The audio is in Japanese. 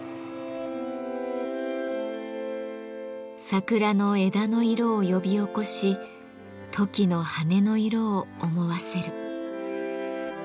桜の枝の色を呼び起こしトキの羽の色を思わせる。